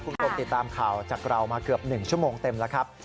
คุณผู้ชมติดตามข่าวจากเรามาเกือบ๑ชั่วโมงเต็มแล้วครับ